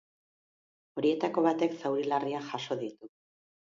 Horietako batek zauri larriak jaso ditu.